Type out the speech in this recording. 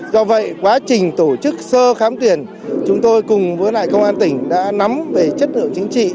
do vậy quá trình tổ chức sơ khám tuyển chúng tôi cùng với lại công an tỉnh đã nắm về chất lượng chính trị